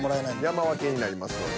山分けになりますので。